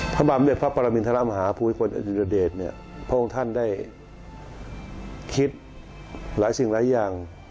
คุณบังค์ติดตามปรับประมาณทราบอำหาภูมิคนอจริยเดชน์พวกท่านได้คิดหลายสิ่งหลายอย่าง